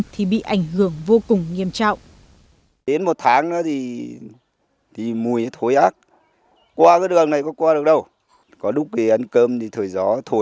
thì bị ảnh hưởng vô cùng nghiêm trọng